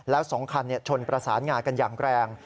แล้ว๒คันชนประสานงากันอย่างแรง